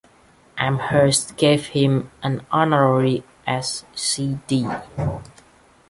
Amherst gave him an honorary Sc.D.